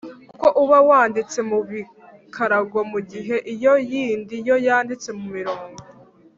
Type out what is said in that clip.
kuko uba wanditse mu mikarago mu gihe iyo yindi yo yanditse mu mirongo.